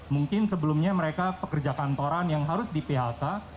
mungkin sebelumnya mereka pekerja kantoran yang harus di phk